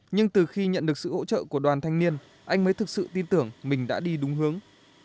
nhưng từ khi nhận được sự hỗ trợ của đoàn thanh niên anh mới thực sự tin tưởng mình đã đi đúng hướng